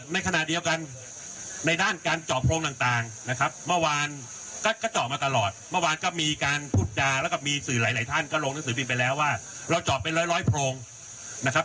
ในขณะเดียวกันในด้านการเจาะโพรงต่างนะครับเมื่อวานก็เจาะมาตลอดเมื่อวานก็มีการพูดจาแล้วก็มีสื่อหลายท่านก็ลงหนังสือพิมพ์ไปแล้วว่าเราเจาะเป็นร้อยโพรงนะครับ